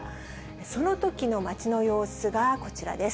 そのときの街の様子がこちらです。